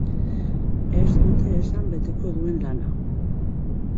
Ez dute esan beteko duen lana.